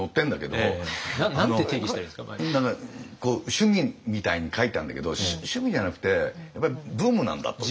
趣味みたいに書いてあんだけど趣味じゃなくてやっぱりブームなんだと。